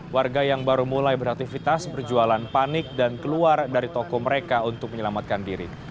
warga yang baru mulai beraktivitas berjualan panik dan keluar dari toko mereka untuk menyelamatkan diri